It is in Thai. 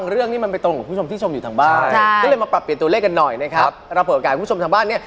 เราเปิดอากาศให้คุณผู้ชมทางบ้านเนี่ย